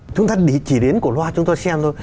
chúng ta chỉ đến cổ loa chúng tôi xem thôi